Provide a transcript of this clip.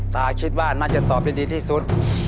ตาคิดว่าน่าจะตอบได้ดีที่สุด